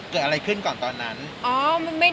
เกิดอะไรขึ้นก่อนตอนนั้น